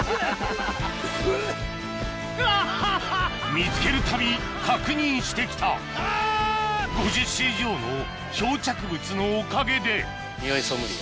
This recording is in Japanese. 見つけるたび確認して来た５０種以上の漂着物のおかげでにおいソムリエ。